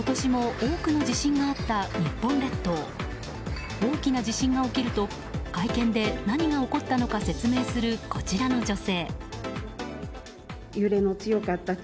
大きな地震が起きると会見で何が起こったのか説明するこちらの女性。